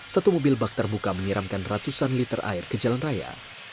satu mobil bak terbuka menyiramkan ratusan liter air ke jalan raya